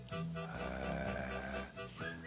「へえ」